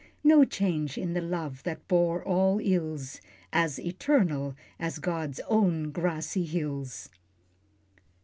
No change in the love, that bore all ills, As eternal as God's own grassy hills.